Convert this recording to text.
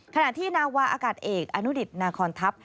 ขณะที่นาวาอากาศเอกอนุดิตนาคอนทัพ